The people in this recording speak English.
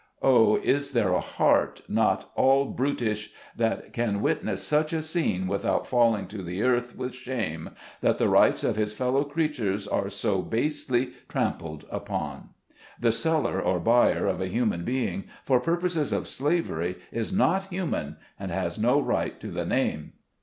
Oh ! is there a heart, not all brutish, that can wit ness such a scene without falling to the earth with shame, that the rights of his fellow creatures are so basely trampled upon ? The seller or buyer of a human being, for purposes of slavery, is not human, and has no right to the name.